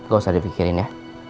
gak usah dipikirin ya